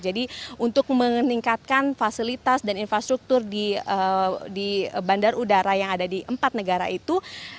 jadi untuk meningkatkan fasilitas dan infrastruktur di bandar udara yang ada di empat negara itu